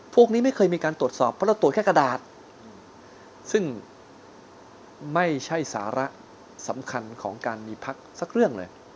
พวกนี้ไม่เคยมีการตรวจสอบเพราะเราตรวจแค่กระดาษซึ่งไม่ใช่สาระสำคัญของการมีพักสักเรื่องเลย